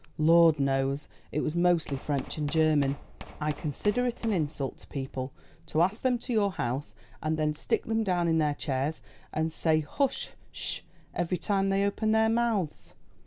"Lord knows. It was mostly French and German. I consider it an insult to people to ask them to your house, and then stick them down in their chairs, and say h sh h! every time they open their months.